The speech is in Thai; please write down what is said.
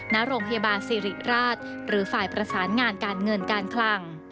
ณโรงพยาบาลสิริราชหรือฝ่ายประสานงานการเงินการคลัง